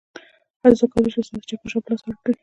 هر څوک کولی شي استاد ته چکش او پلاس ورکړي